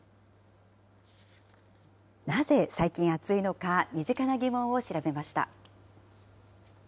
なぜ最近暑いのか、身近な疑問を調べました。